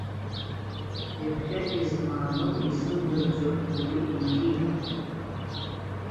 Ҩаԥхьа измааноу изымдырӡо игәы инҭиҳәааит.